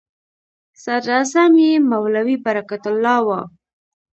صدراعظم یې مولوي برکت الله و.